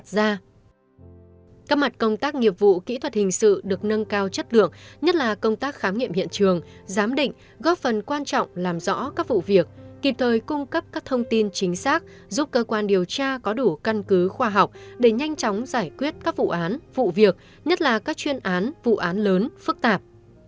các mặt công tác nghiệp vụ kỹ thuật hình sự được nâng cao chất lượng nhất là công tác khám nghiệm hiện trường giám định góp phần quan trọng làm rõ các vụ việc kịp thời cung cấp các thông tin chính xác giúp cơ quan điều tra có đủ căn cứ khoa học để nhanh chóng giải quyết các vụ án vụ việc nhất là các chuyên án vụ án lớn phức tạp